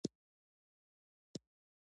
بېشکه له هري سختۍ وروسته آساني راځي.